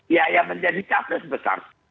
ya yang menjadi capres besar